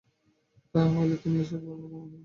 তাহা হইলেই তিনি ঈশ্বরভাবে মগ্ন।